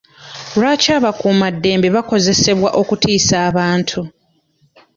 Lwaki abakuuma ddembe bakozesebwa okutiisa abantu?